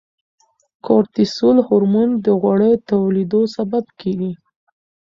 کورتیسول هورمون د غوړو ټولېدو سبب کیږي.